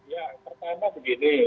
ya pertama begini